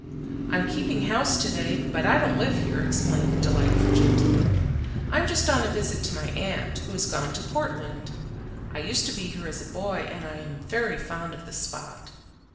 "I'm keeping house to day, but I don't live here," explained the delightful gentleman. "I'm just on a visit to my aunt, who has gone to Portland. I used to be here as a boy and I am very fond of the spot."